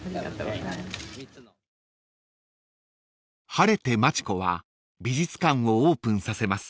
［晴れて町子は美術館をオープンさせます］